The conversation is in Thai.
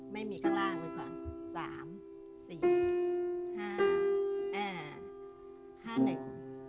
ไม่มีข้างล่างมือขวางสามสี่ห้าเอ่อห้าหนึ่ง